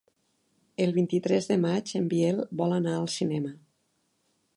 El vint-i-tres de maig en Biel vol anar al cinema.